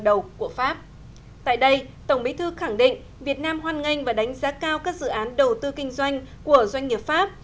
đầu của pháp tại đây tổng bí thư khẳng định việt nam hoan nghênh và đánh giá cao các dự án đầu tư kinh doanh của doanh nghiệp pháp